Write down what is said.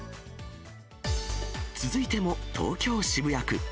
続いても東京・渋谷区。